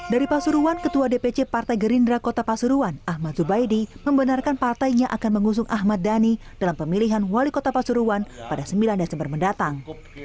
dari pasuruan ketua dpc partai gerindra kota pasuruan ahmad zubaidi membenarkan partainya akan mengusung ahmad dhani dalam pemilihan wali kota pasuruan pada sembilan desember mendatang